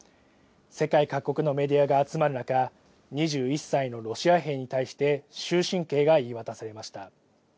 世界各国のメディアが集まる中、２１歳のロシア兵に対して終身刑が言い渡されました。